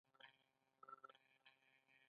له دې امله د هر وګړي برابري اړینه ده.